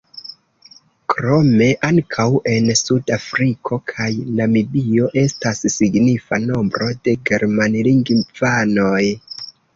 Krome ankaŭ en Sud-Afriko kaj Namibio estas signifa nombro de germanlingvanoj.